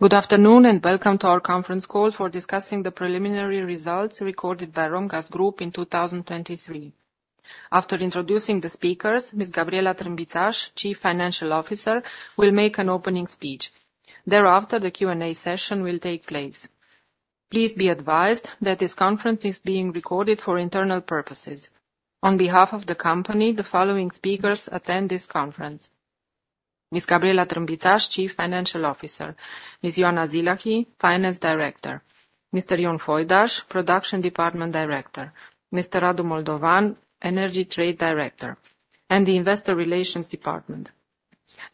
Good afternoon, and welcome to our conference call for discussing the preliminary results recorded by Romgaz Group in 2023. After introducing the speakers, Ms. Gabriela Trâmbițaș, Chief Financial Officer, will make an opening speech. Thereafter, the Q&A session will take place. Please be advised that this conference is being recorded for internal purposes. On behalf of the company, the following speakers attend this conference: Ms. Gabriela Trâmbițaș, Chief Financial Officer, MsMs. Ioana Zilahy, Finance Director, Mr. Ion Foidaș, Production Department Director, Mr. Radu Moldovan, Energy Trade Director, and the Investor Relations Department.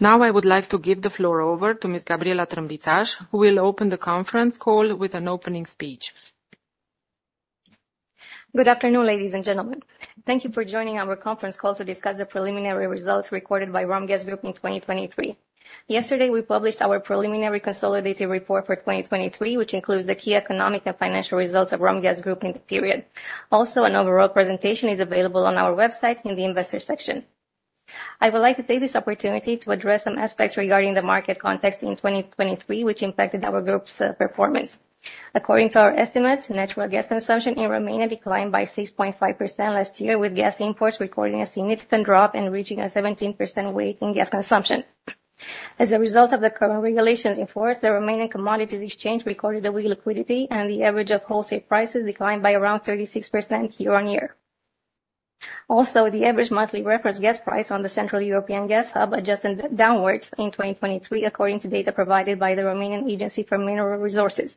Now, I would like to give the floor over to Ms. Gabriela Trâmbițaș, who will open the conference call with an opening speech. Good afternoon, ladies and gentlemen. Thank you for joining our conference call to discuss the preliminary results recorded by Romgaz Group in 2023. Yesterday, we published our preliminary consolidated report for 2023, which includes the key economic and financial results of Romgaz Group in the period. Also, an overall presentation is available on our website in the investor section. I would like to take this opportunity to address some aspects regarding the market context in 2023, which impacted our group's performance. According to our estimates, natural gas consumption in Romania declined by 6.5% last year, with gas imports recording a significant drop and reaching a 17% weight in gas consumption. As a result of the current regulations in force, the Romanian Commodities Exchange recorded a weak liquidity, and the average of wholesale prices declined by around 36% year-on-year. Also, the average monthly reference gas price on the Central European Gas Hub adjusted downwards in 2023, according to data provided by the National Agency for Mineral Resources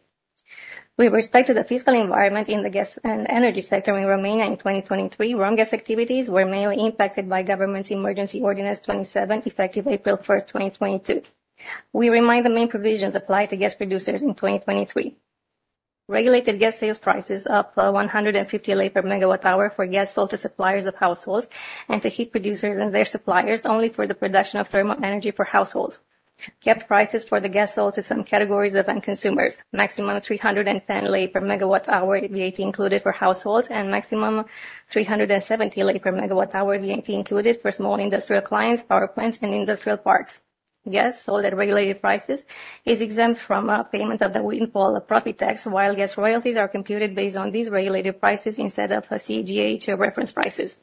(ANRM). With respect to the fiscal environment in the gas and energy sector in Romania in 2023, Romgaz activities were mainly impacted by the government's Emergency Ordinance 27, effective April 1, 2022. We remind the main provisions apply to gas producers in 2023. Regulated gas sales prices up 150 RON per MWh for gas sold to suppliers of households, and to heat producers and their suppliers, only for the production of thermal energy for households. Capped prices for the gas sold to some categories of end consumers, maximum 310 RON per MWh, VAT included, for households, and maximum 370 RON per MWh, VAT included, for small industrial clients, power plants, and industrial parks. Gas sold at regulated prices is exempt from payment of the Windfall Profit Tax, while gas royalties are computed based on these regulated prices instead of a CEGH reference prices.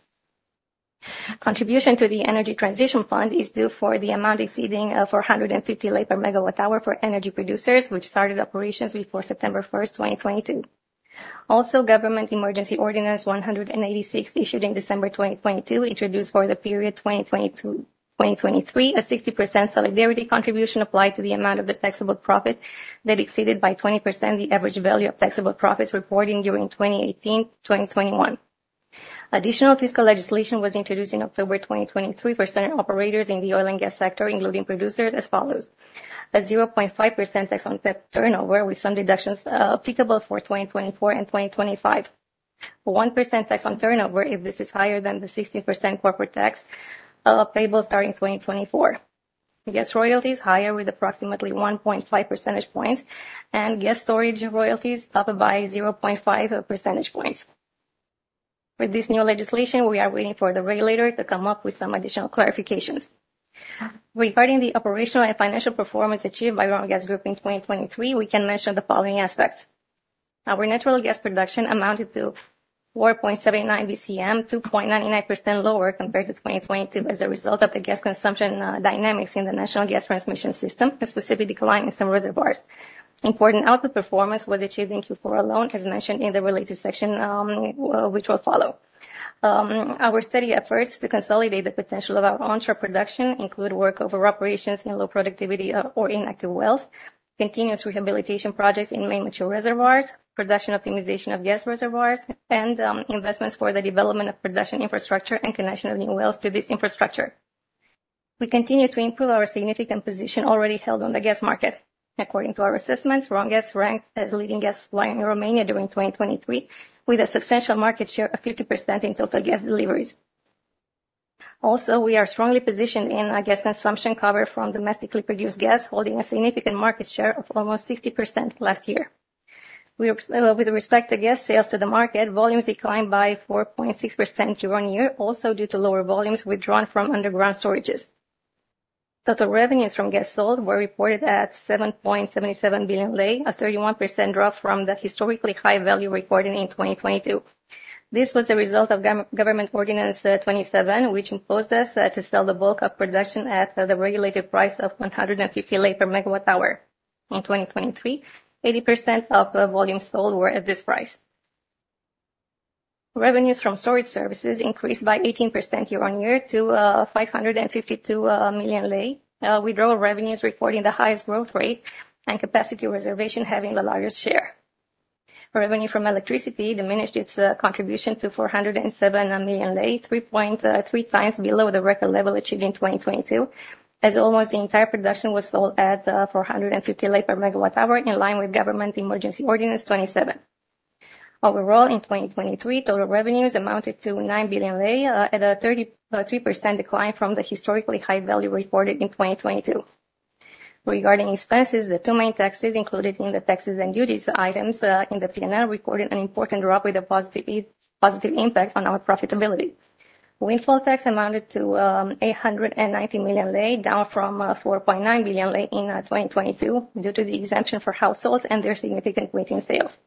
Contribution to the Energy Transition Fund is due for the amount exceeding 450 RON per MWh for energy producers, which started operations before 1st September 2022. Also, Government Emergency Ordinance 186, issued in December 2022, introduced for the period 2022-2023, a 60% Solidarity Contribution applied to the amount of the taxable profit that exceeded by 20% the average value of taxable profits reported during 2018-2021. Additional fiscal legislation was introduced in October 2023 for certain operators in the oil and gas sector, including producers, as follows: A 0.5% tax on turnover, with some deductions, applicable for 2024 and 2025. 1% tax on turnover, if this is higher than the 60% corporate tax, payable starting 2024. Gas royalties higher with approximately 1.5 percentage points, and gas storage royalties up by 0.5 percentage points. With this new legislation, we are waiting for the regulator to come up with some additional clarifications. Regarding the operational and financial performance achieved by Romgaz Group in 2023, we can mention the following aspects. Our natural gas production amounted to 4.79 BCM, 2.99% lower compared to 2022, as a result of the gas consumption dynamics in the national gas transmission system, and specifically decline in some reservoirs. Important output performance was achieved in Q4 alone, as mentioned in the related section, which will follow. Our steady efforts to consolidate the potential of our onshore production include workover operations in low productivity or inactive wells, continuous rehabilitation projects in main mature reservoirs, production optimization of gas reservoirs, and investments for the development of production infrastructure and connection of new wells to this infrastructure. We continue to improve our significant position already held on the gas market. According to our assessments, Romgaz ranked as leading gas supplier in Romania during 2023, with a substantial market share of 50% in total gas deliveries. Also, we are strongly positioned in a gas consumption cover from domestically produced gas, holding a significant market share of almost 60% last year. With respect to gas sales to the market, volumes declined by 4.6% year-on-year, also due to lower volumes withdrawn from underground storages. Total revenues from gas sold were reported at RON 7.77 billion, a 31% drop from the historically high value recorded in 2022. This was the result of government Ordinance 27, which imposed us to sell the bulk of production at the regulated price of RON 150 per MWh. In 2023, 80% of volume sold were at this price. Revenues from storage services increased by 18% year-on-year to RON 552 million. Withdrawal revenues reporting the highest growth rate and capacity reservation having the largest share. Revenue from electricity diminished its contribution to RON 407 million, 3.3 times below the record level achieved in 2022, as almost the entire production was sold at RON 450 per MWh, in line with Government Emergency Ordinance 27. Overall, in 2023, total revenues amounted to RON 9 billion at a 33% decline from the historically high value reported in 2022. Regarding expenses, the two main taxes included in the taxes and duties items in the P&L recorded an important drop with a positive impact on our profitability. Windfall tax amounted to RON 890 million, down from RON 4.9 billion in 2022, due to the exemption for households and their significant weighted sales.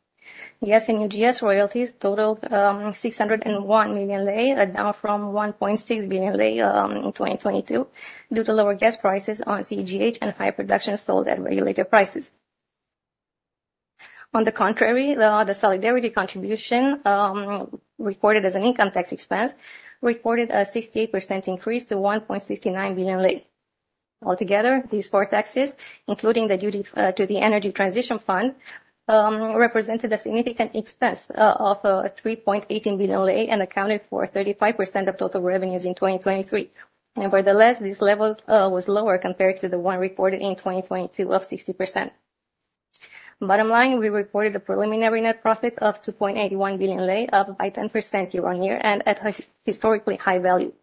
Gas and UGS royalties totaled RON 601 million, down from RON 1.6 billion in 2022, due to lower gas prices on CEGH and higher production sold at regulated prices. On the contrary, the Solidarity Contribution, reported as an income tax expense, reported a 68% increase to RON 1.69 billion. Altogether, these four taxes, including the duty to the Energy Transition Fund, represented a significant expense of RON 3.18 billion and accounted for 35% of total revenues in 2023. Nevertheless, this level was lower compared to the one reported in 2022 of 60%. Bottom line, we reported a preliminary net profit of RON 2.81 billion, up by 10% year-on-year, and at a historically high value.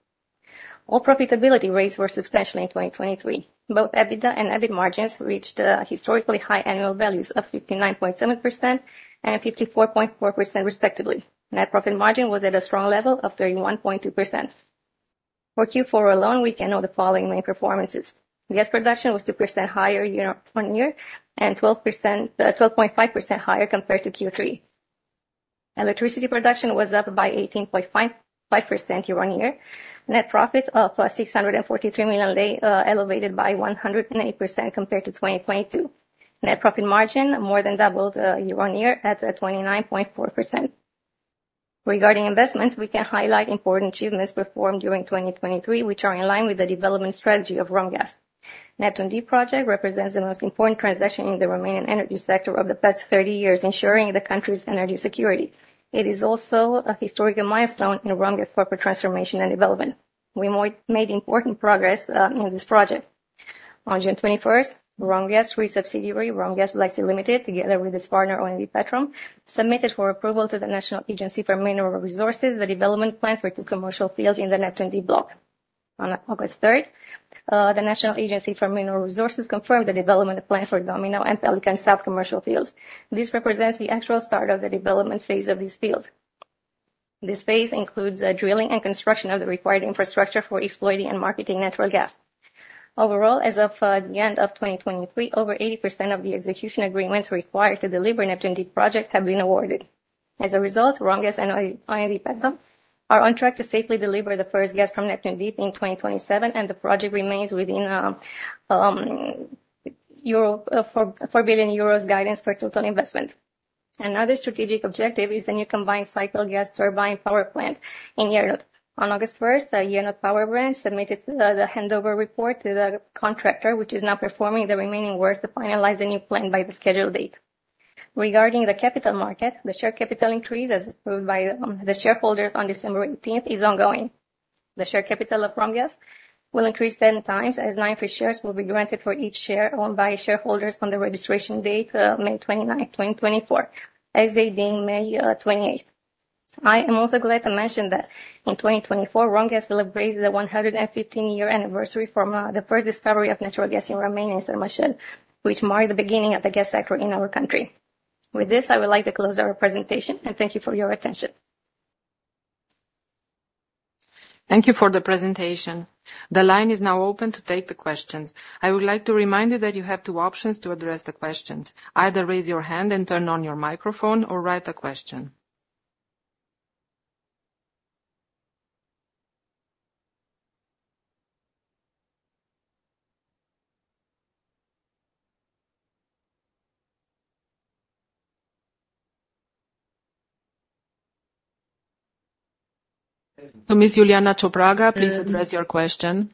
All profitability rates were substantial in 2023. Both EBITDA and EBIT margins reached historically high annual values of 59.7% and 54.4%, respectively. Net profit margin was at a strong level of 31.2%. For Q4 alone, we can note the following main performances. Gas production was 2% higher year-over-year, and 12%, 12.5% higher compared to Q3. Electricity production was up by 18.55% year-over-year. Net profit of +RON 643 million, elevated by 108% compared to 2022. Net profit margin more than doubled year-over-year at 29.4%. Regarding investments, we can highlight important achievements performed during 2023, which are in line with the development strategy of Romgaz. Neptun Deep Project represents the most important transaction in the Romanian energy sector over the past 30 years, ensuring the country's energy security. It is also a historical milestone in Romgaz corporate transformation and development. We made important progress in this project. On June 21st, Romgaz, through subsidiary, Romgaz Black Sea Limited, together with its partner, OMV Petrom, submitted for approval to the National Agency for Mineral Resources, the development plan for two commercial fields in the Neptun Deep Block. On August 3rd, the National Agency for Mineral Resources confirmed the development plan for Domino and Pelican South commercial fields. This represents the actual start of the development phase of these fields. This phase includes, drilling and construction of the required infrastructure for exploiting and marketing natural gas. Overall, as of, the end of 2023, over 80% of the execution agreements required to deliver Neptun Deep project have been awarded. As a result, Romgaz and OMV Petrom are on track to safely deliver the first gas from Neptun Deep in 2027, and the project remains within 4 billion euros guidance for total investment. Another strategic objective is the new combined cycle gas turbine power plant in Iernut. On August first, the Iernut Power Branch submitted the handover report to the contractor, which is now performing the remaining works to finalize the new plant by the scheduled date. Regarding the capital market, the share capital increase, as approved by the shareholders on 18 December, is ongoing. The share capital of Romgaz will increase 10 times, as nine free shares will be granted for each share owned by shareholders on the registration date, May twenty-ninth, 2024, ex-date being 28 May. I am also glad to mention that in 2024, Romgaz celebrates the 115-year anniversary from the first discovery of natural gas in Romania, in Târgu Mureș, which marked the beginning of the gas sector in our country. With this, I would like to close our presentation, and thank you for your attention. Thank you for the presentation. The line is now open to take the questions. I would like to remind you that you have two options to address the questions: either raise your hand and turn on your microphone, or write a question. Ms. Iuliana Cepraga, please address your question.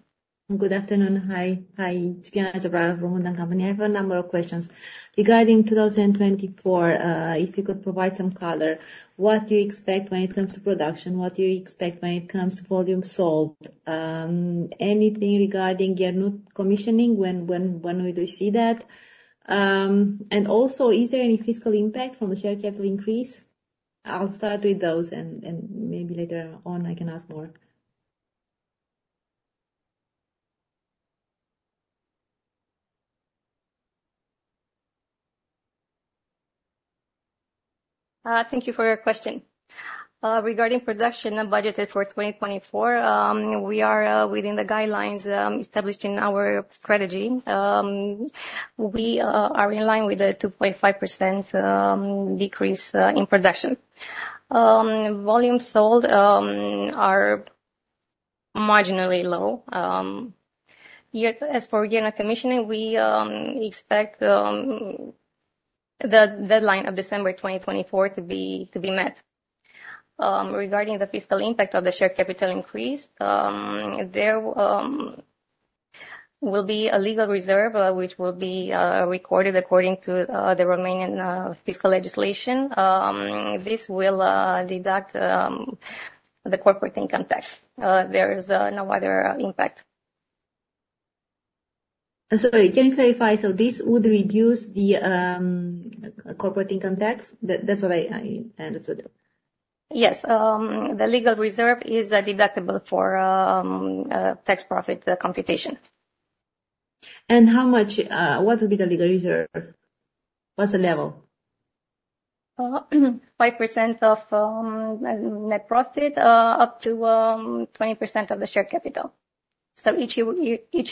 Good afternoon. Hi, hi, Iuliana Cepraga, Romanian Company. I have a number of questions. Regarding 2024, if you could provide some color, what do you expect when it comes to production? What do you expect when it comes to volume sold? Anything regarding Iernut commissioning, when, when, when would we see that? And also, is there any fiscal impact from the share capital increase? I'll start with those, and maybe later on, I can ask more. Thank you for your question. Regarding production budgeted for 2024, we are within the guidelines established in our strategy. We are in line with the 2.5% decrease in production. Volume sold are marginally low. As for Iernut commissioning, we expect the deadline of December 2024 to be met. Regarding the fiscal impact of the share capital increase, there will be a legal reserve, which will be recorded according to the Romanian fiscal legislation. This will deduct the corporate income tax. There is no other impact. I'm sorry, can you clarify? So this would reduce the corporate income tax? That's what I, I understood. Yes, the legal reserve is deductible for tax profit, the computation. How much, what will be the legal reserve? What's the level? 5% of net profit, up to 20% of the share capital. So each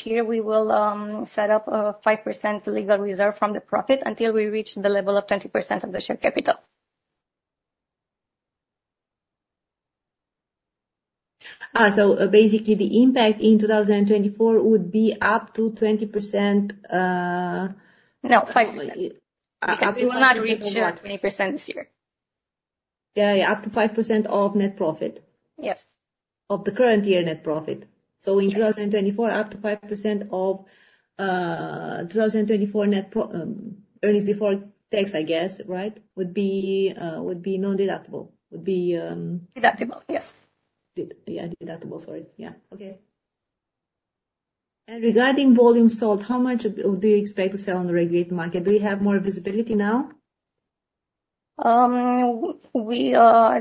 year, we will set up 5% legal reserve from the profit until we reach the level of 20% of the share capital. So basically, the impact in 2024 would be up to 20%. No, 5%. Up to 5%. Because we will not reach to 20% this year. Yeah, up to 5% of net profit? Yes. Of the current year net profit. Yes. So in 2024, up to 5% of 2024 net earnings before tax, I guess, right? Would be non-deductible. Would be. Deductible, yes. Good. Yeah, deductible. Sorry. Yeah. Okay. And regarding volume sold, how much do you expect to sell on the regulated market? Do you have more visibility now? We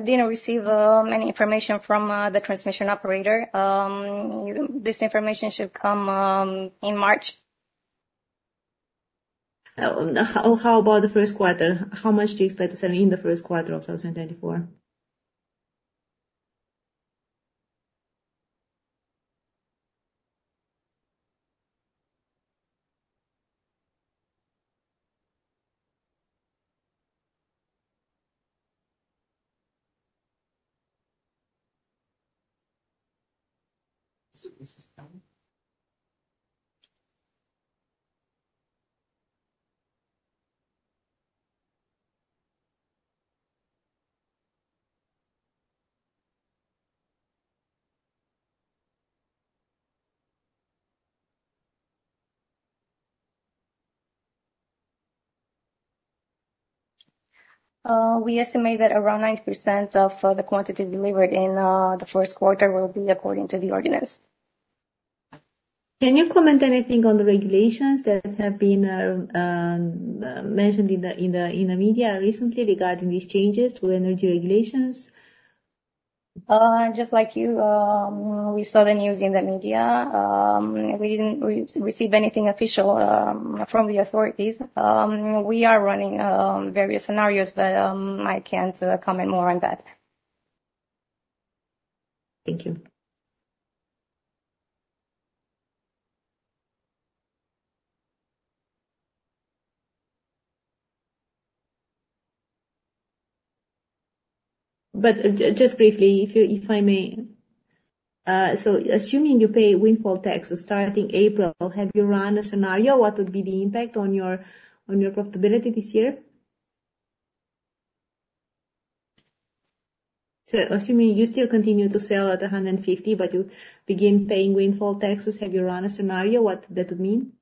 didn't receive many information from the transmission operator. This information should come in March. How about the first quarter? How much do you expect to sell in the first quarter of 2024? Is it Ms. Cepraga? We estimate that around 9% of the quantities delivered in the first quarter will be according to the ordinance. Can you comment anything on the regulations that have been mentioned in the media recently regarding these changes to energy regulations? Just like you, we saw the news in the media. We didn't receive anything official from the authorities. We are running various scenarios, but I can't comment more on that. Thank you. Just briefly, if you, if I may. So assuming you pay windfall tax starting April, have you run a scenario, what would be the impact on your, on your profitability this year? So assuming you still continue to sell at 150, but you begin paying windfall taxes, have you run a scenario, what that would mean?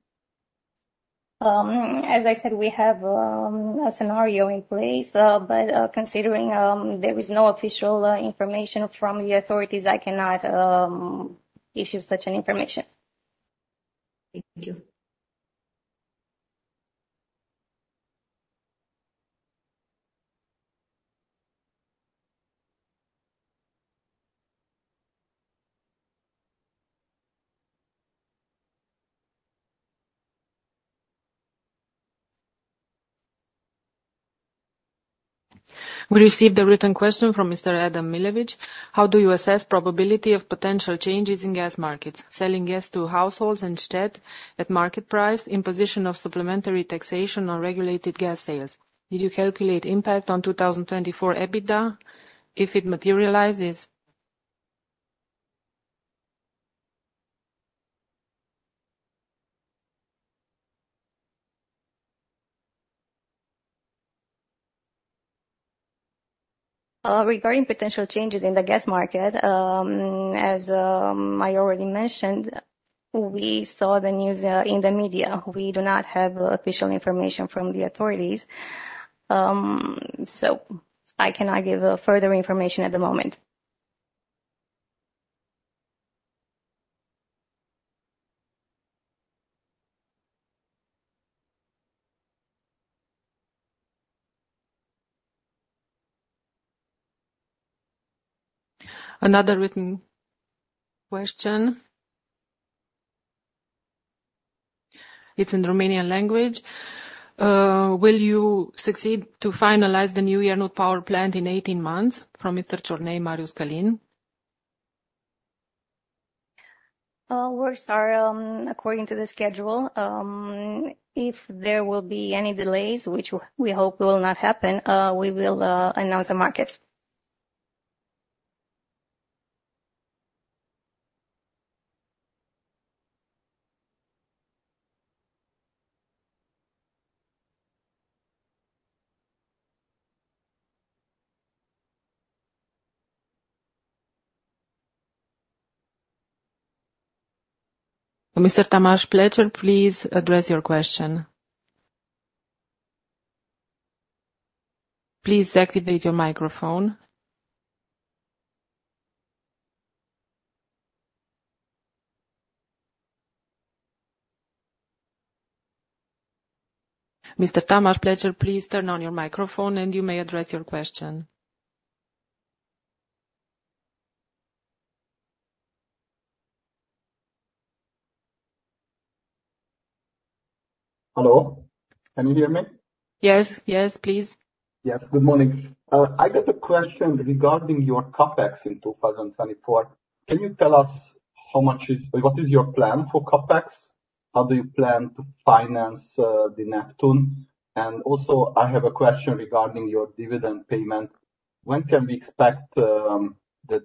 As I said, we have a scenario in place, but considering there is no official information from the authorities, I cannot issue such an information. Thank you. We received a written question from Mr. Adam Milewicz: How do you assess probability of potential changes in gas markets, selling gas to households instead at market price, imposition of supplementary taxation on regulated gas sales? Did you calculate impact on 2024 EBITDA if it materializes? Regarding potential changes in the gas market, as I already mentioned, we saw the news in the media. We do not have official information from the authorities, so I cannot give further information at the moment. Another written question. It's in Romanian language. Will you succeed to finalize the Iernut power plant in 18 months? From Mr. Ciornei, Marius Călin. Works are according to the schedule. If there will be any delays, which we hope will not happen, we will announce the markets. Mr. Tamás Pletser, please address your question. Please activate your microphone.... Mr. Tamás Pletser, please turn on your microphone, and you may address your question. Hello, can you hear me? Yes, yes, please. Yes, good morning. I got a question regarding your CapEx in 2024. Can you tell us how much what is your plan for CapEx? How do you plan to finance the Neptun? And also, I have a question regarding your dividend payment. When can we expect the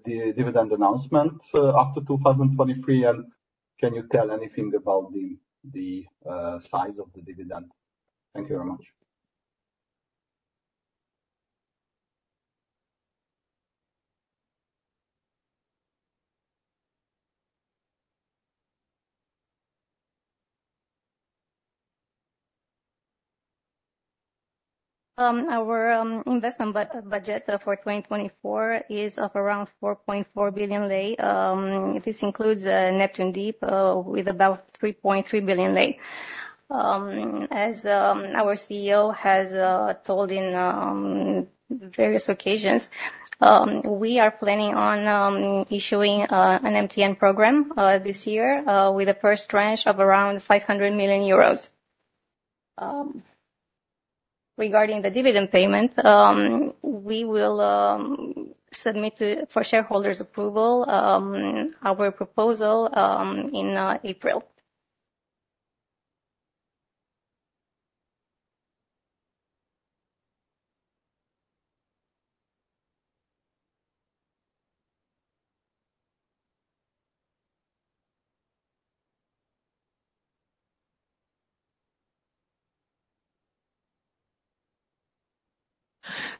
dividend announcement after 2023, and can you tell anything about the size of the dividend? Thank you very much. Our investment budget for 2024 is around RON 4.4 billion. This includes Neptun Deep with about RON 3.3 billion. As our CEO has told in various occasions, we are planning on issuing an MTN program this year with the first tranche of around 500 million euros. Regarding the dividend payment, we will submit it for shareholders' approval, our proposal, in April.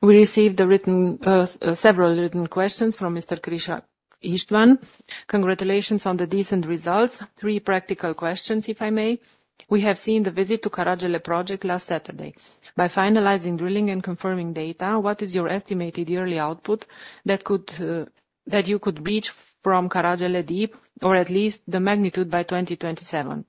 We received a written, several written questions from Mr. Krisa István. Congratulations on the decent results. Three practical questions, if I may: We have seen the visit to Caragele project last Saturday. By finalizing, drilling, and confirming data, what is your estimated yearly output that could, that you could reach from Caragele Deep, or at least the magnitude by 2027?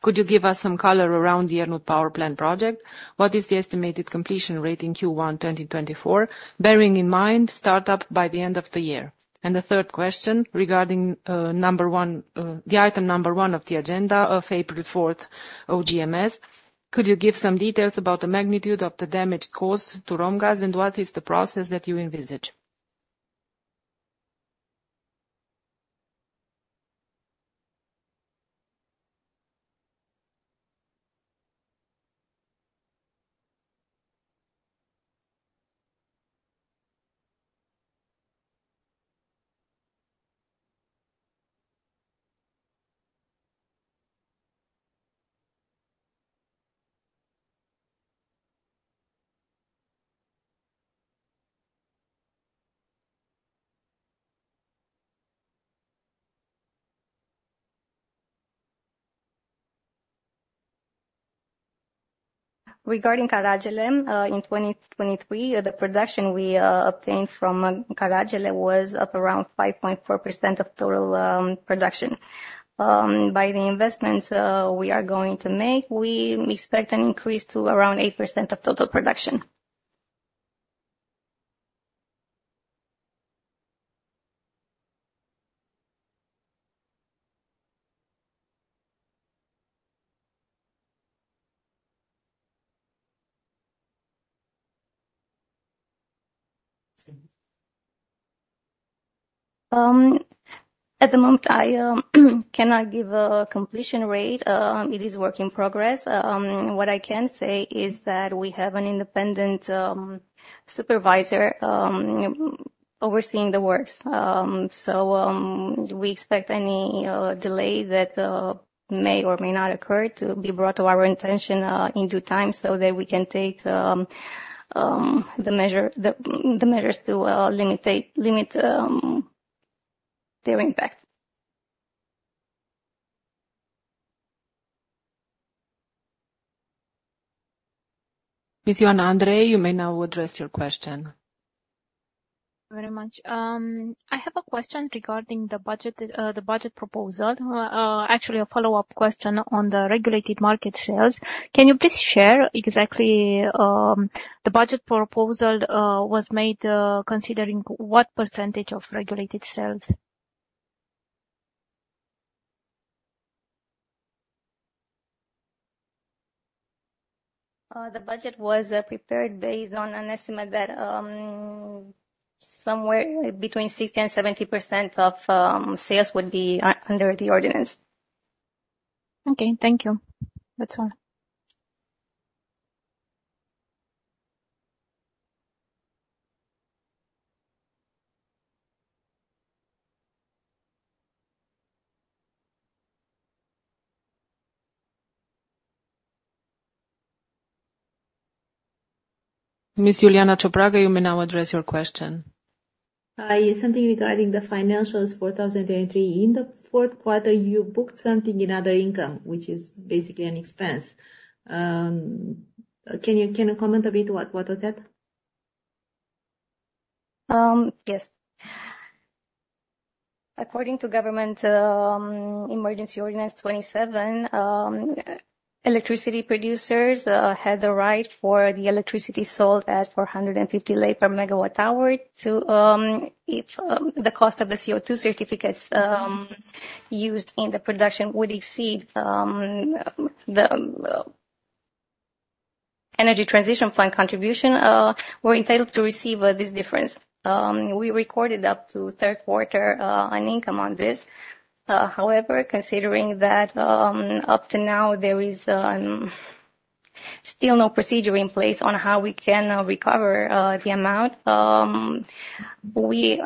Could you give us some color around the Iernut Power Plant project? What is the estimated completion rate in Q1 2024, bearing in mind start up by the end of the year? And the third question regarding, number one, the item number one of the agenda of April fourth, OGMS, could you give some details about the magnitude of the damage caused to Romgaz, and what is the process that you envisage? Regarding Caragele, in 2023, the production we obtained from Caragele was of around 5.4% of total production. By the investments we are going to make, we expect an increase to around 8% of total production. See. At the moment, I cannot give a completion rate. It is work in progress. What I can say is that we have an independent supervisor overseeing the works. So, we expect any delay that may or may not occur to be brought to our attention in due time, so that we can take the measures to limit their impact. Ms. Ioana Andrei, you may now address your question. Very much. I have a question regarding the budget, the budget proposal. Actually, a follow-up question on the regulated market sales. Can you please share exactly, the budget proposal was made, considering what percentage of regulated sales? The budget was prepared based on an estimate that somewhere between 60% and 70% of sales would be under the ordinance. Okay, thank you. That's all. Miss Iuliana Cepraga, you may now address your question. Something regarding the financials 2023. In the fourth quarter, you booked something in other income, which is basically an expense. Can you, can you comment a bit what, what was that? Ues. According to Government Emergency Ordinance 27, electricity producers had the right for the electricity sold at 450 RON per megawatt hour to, if the cost of the CO2 certificates used in the production would exceed the Energy Transition Fund contribution, we're entitled to receive this difference. We recorded up to third quarter an income on this. However, considering that up to now, there is still no procedure in place on how we can recover the amount, we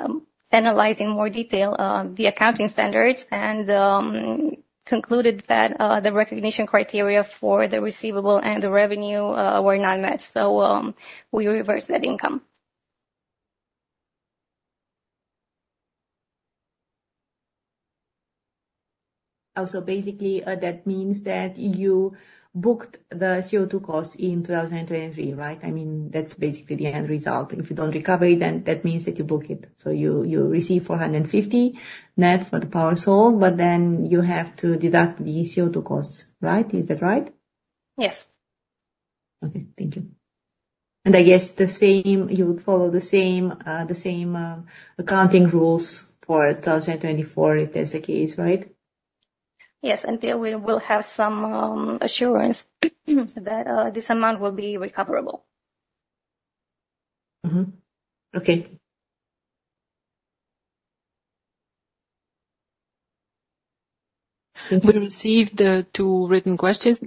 analyzing more detail the accounting standards and concluded that the recognition criteria for the receivable and the revenue were not met. So, we reversed that income. Also, basically, that means that you booked the CO2 cost in 2023, right? I mean, that's basically the end result. If you don't recover it, then that means that you book it. So you receive RON 450 net for the power sold, but then you have to deduct the CO2 costs, right? Is that right? Yes. Okay, thank you. I guess the same, you would follow the same accounting rules for 2024, if that's the case, right? Yes, until we will have some assurance that this amount will be recoverable. Mm-hmm. Okay. We received two written questions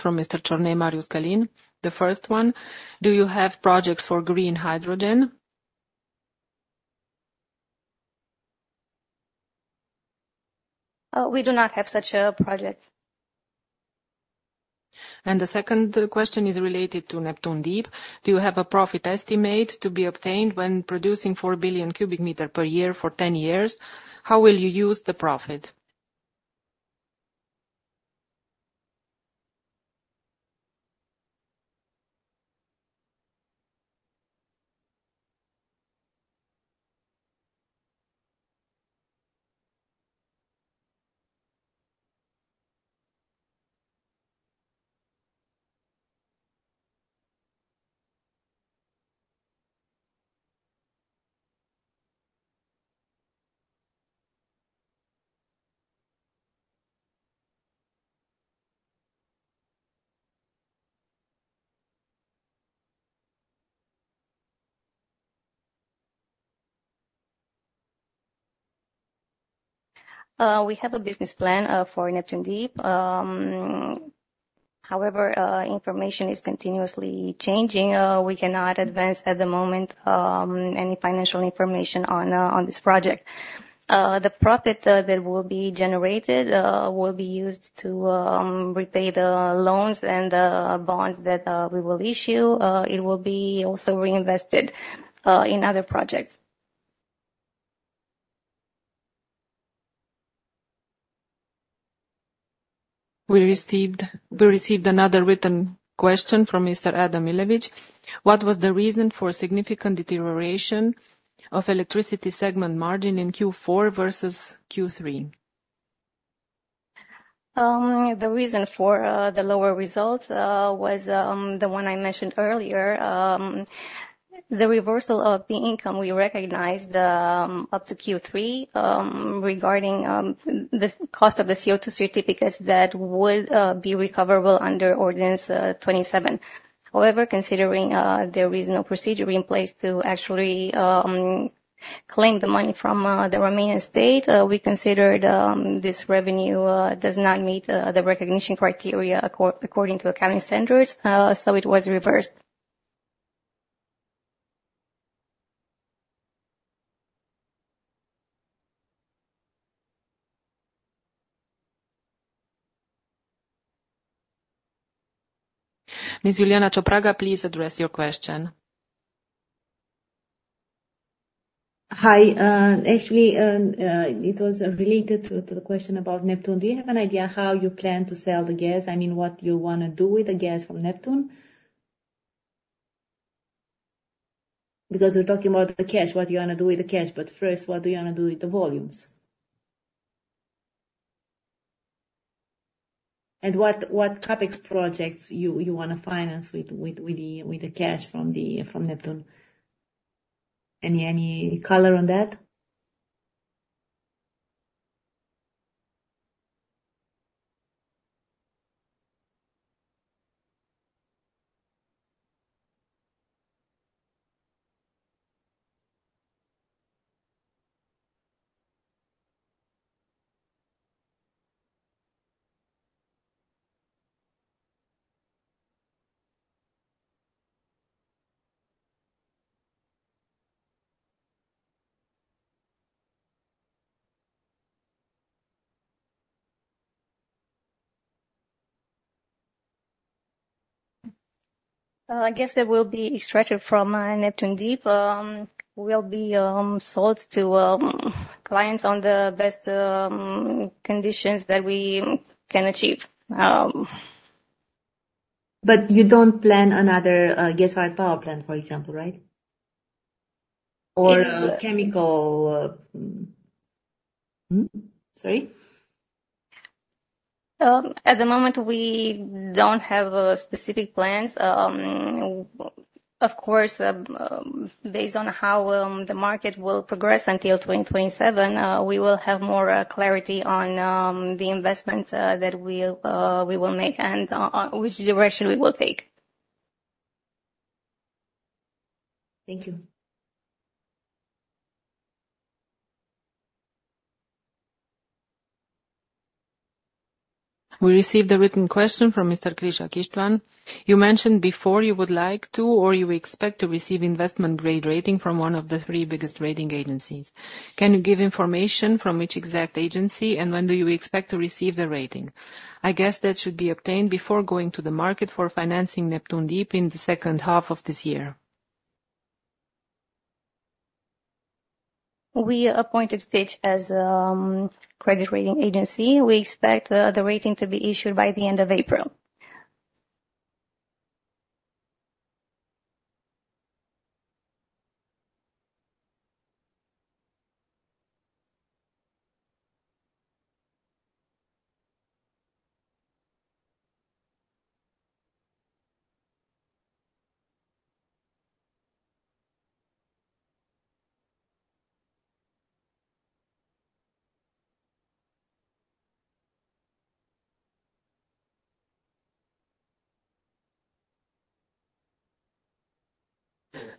from Mr. Marius Călin Ciornei. The first one, do you have projects for green hydrogen? We do not have such a project. The second question is related to Neptun Deep. Do you have a profit estimate to be obtained when producing 4 billion cubic meter per year for 10 years? How will you use the profit? We have a business plan for Neptun Deep. However, information is continuously changing, we cannot advance at the moment any financial information on this project. The profit that will be generated will be used to repay the loans and the bonds that we will issue. It will be also reinvested in other projects. We received another written question from Mr. Adam Milewicz: What was the reason for significant deterioration of electricity segment margin in Q4 versus Q3? The reason for the lower results was the one I mentioned earlier. The reversal of the income we recognized up to Q3 regarding the cost of the CO2 certificates that would be recoverable under ordinance 27. However, considering there is no procedure in place to actually claim the money from the Romanian state, we considered this revenue does not meet the recognition criteria according to accounting standards, so it was reversed. Miss Iuliana Cepraga, please address your question. Hi, actually, it was related to the question about Neptun. Do you have an idea how you plan to sell the gas? I mean, what you wanna do with the gas from Neptun? Because we're talking about the cash, what you wanna do with the cash, but first, what do you wanna do with the volumes? And what CapEx projects you wanna finance with the cash from Neptun? Any color on that? I guess that will be extracted from Neptun Deep, will be sold to clients on the best conditions that we can achieve. But you don't plan another gas-fired power plant, for example, right? Or chemical, Hmm? Sorry. At the moment, we don't have specific plans. Of course, based on how the market will progress until 2027, we will have more clarity on the investments that we'll make and which direction we will take. Thank you. We received a written question from Mr. Krisa István. You mentioned before you would like to, or you expect to receive investment-grade rating from one of the three biggest rating agencies. Can you give information from which exact agency, and when do you expect to receive the rating? I guess that should be obtained before going to the market for financing Neptun Deep in the second half of this year. We appointed Fitch as credit rating agency. We expect the rating to be issued by the end of April.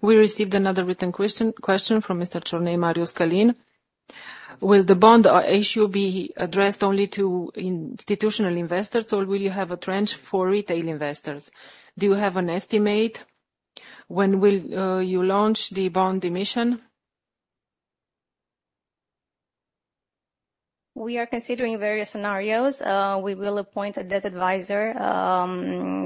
We received another written question from Mr. Marius Călin Ciornei: Will the bond issue be addressed only to institutional investors, or will you have a tranche for retail investors? Do you have an estimate when you will launch the bond issuance? We are considering various scenarios. We will appoint a debt advisor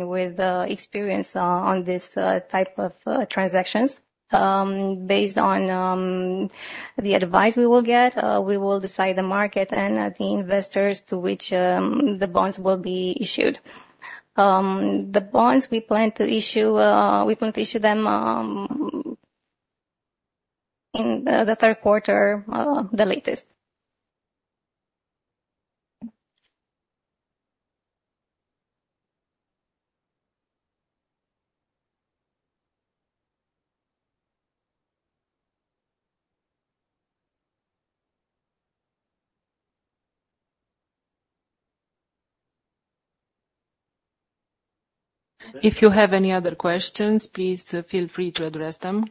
with experience on this type of transactions. Based on the advice we will get, we will decide the market and the investors to which the bonds will be issued. The bonds we plan to issue, we plan to issue them in the third quarter, the latest. If you have any other questions, please feel free to address them.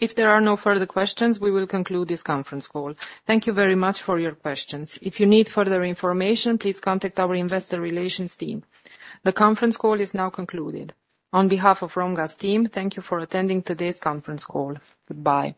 If there are no further questions, we will conclude this conference call. Thank you very much for your questions. If you need further information, please contact our investor relations team. The conference call is now concluded. On behalf of Romgaz team, thank you for attending today's conference call. Goodbye.